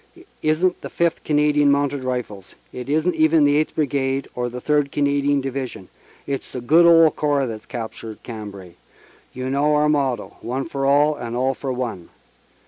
"It isn t the Fifth Canadian Mounted Rifles; it isn t even the Eighth Brigade or the Third Canadian Division it s the good old Corps that s captured Cambrai ; you know our motto, One for all and all for one.